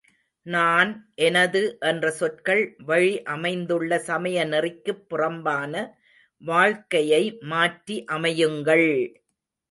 நான் எனது என்ற சொற்கள் வழி அமைந்துள்ள சமய நெறிக்குப் புறம்பான வாழ்க்கையை மாற்றி அமையுங்கள்!